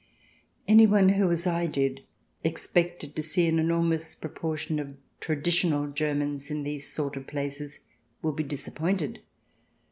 Anyone who, as I did, expected to see an enor mous proportion of traditional Germans in these sort of places would be disappointed.